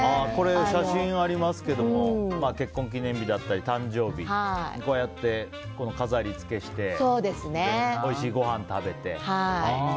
写真、ありますけども結婚記念日だったり誕生日こうやって飾りつけしておいしいごはん食べて。